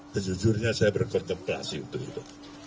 sejujurnya saya berkontemplasi untuk itu